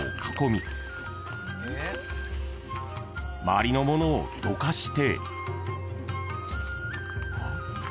［周りのものをどかして］